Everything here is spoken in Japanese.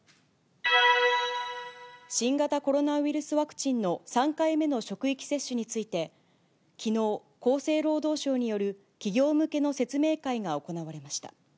新型コロナウイルスワクチンの３回目の職域接種について、きのう、厚生労働省による企業向けの説明会が行われました。